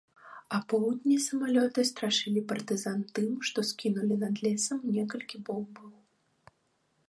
Апоўдні самалёты страшылі партызан тым, што скінулі над лесам некалькі бомбаў.